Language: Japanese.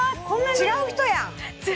違う人やん